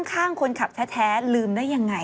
ข้างคนขับแท้ลืมได้ยังไง